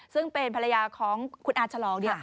ซึ่งเป็นภรรยาของคุณอาฉลอง